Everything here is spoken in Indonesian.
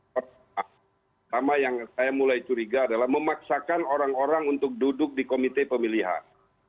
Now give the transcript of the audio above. pertama yang saya mulai curiga adalah memaksakan orang orang untuk duduk di komite pemilihan